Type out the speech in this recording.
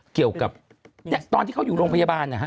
เกี่ยวกับเนี่ยตอนที่เขาอยู่โรงพยาบาลนะฮะ